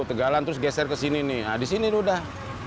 tegalan terus geser ke sini nih nah disini udah